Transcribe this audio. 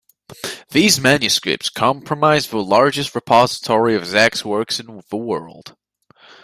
These manuscripts comprise the largest repository of Zach's works in the world.